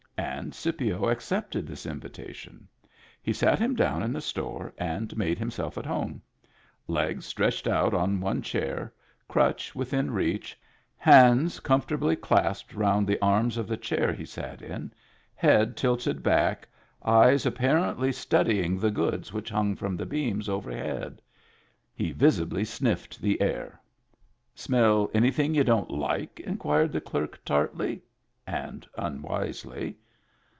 And Scipio accepted this invitation. He sat him down in the store, and made himself at home. Legs stretched out on one chair, crutch within reach, hands com fortably clasped round the arms of the chair he sat in, head tilted back, eyes apparently studying Digitized by Google HAPPY TEETH 39 the goods which hung from the beams overhead, he visibly sniffed the air. "Smell anything you don't like?" inquired the clerk, tartly — and unwisely.